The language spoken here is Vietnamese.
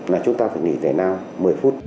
là chúng ta phải nghỉ tài năng một mươi phút